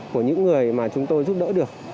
của những người mà chúng tôi giúp đỡ được